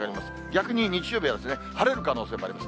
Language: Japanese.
逆に日曜日は晴れる可能性もあります。